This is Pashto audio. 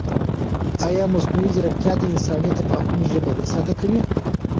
ایا مصنوعي ځیرکتیا د انساني تفاهم ژبه نه ساده کوي؟